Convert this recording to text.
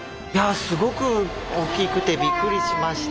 すごく大きくてびっくりしました。